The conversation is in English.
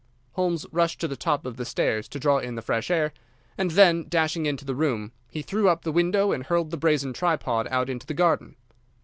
Holmes rushed to the top of the stairs to draw in the fresh air, and then, dashing into the room, he threw up the window and hurled the brazen tripod out into the garden.